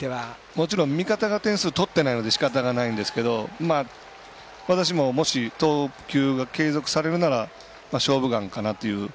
もちろん味方が点数取ってないのでしかたがないんですけど私も、もし投球が継続されるなら「勝負眼」かなという。